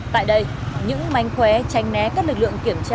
tại đây những manh khóe tranh né các lực lượng kiểm tra